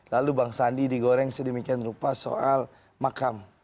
lalu bang sandi digoreng sedemikian rupa soal makam